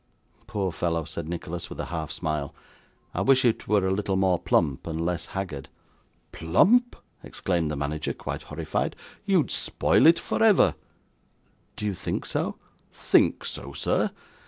'Poor fellow!' said Nicholas, with a half smile, 'I wish it were a little more plump, and less haggard.' 'Plump!' exclaimed the manager, quite horrified, 'you'd spoil it for ever.' 'Do you think so?' 'Think so, sir!